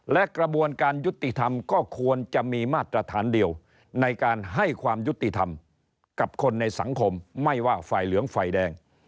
และกระบวนการยุติธรรมก็ควรจะมีมาตรฐานเดียวในการให้ความยุติธรรมกับคนในสังคมไม่ว่าฝ่ายเหลืองฝ่ายแดง